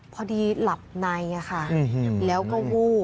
พอดีหลับในค่ะแล้วก็วูบ